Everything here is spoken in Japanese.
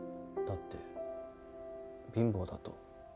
だって貧乏だと。